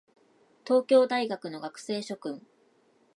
東京大学の学生諸君